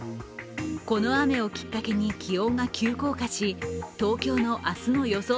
この雨をきっかけに気温が急降下し、東京の明日の予想